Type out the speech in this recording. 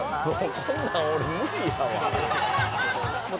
こんなん俺無理やわ。